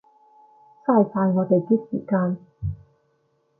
嘥晒我哋啲時間